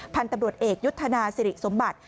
พันธุ์ตำรวจเอกยุทธนาสิริสมบัติ